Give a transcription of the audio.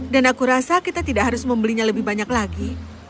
dan aku rasa kita tidak harus membelinya lebih banyak lagi